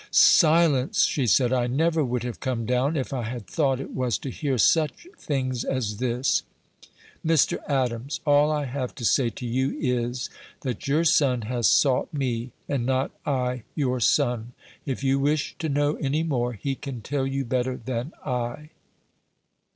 "Silence," she said, "I never would have come down if I had thought it was to hear such things as this. Mr. Adams, all I have to say to you is, that your son has sought me, and not I your son. If you wish to know any more, he can tell you better than I."